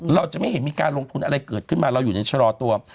เราจะไม่เห็นมีการลงทุนอะไรเกิดขึ้นมาเราอยู่ในชะลอตัว